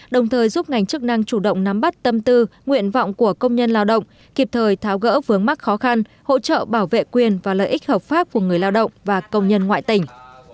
đồng thời giúp ngành chức năng chủ động nắm bắt tâm tư nguyện vọng của công nhân lao động kịp thời tháo gỡ vướng mắc khó khăn hỗ trợ bảo vệ quyền và lợi ích hợp pháp của người lao động và công nhân ngoại tỉnh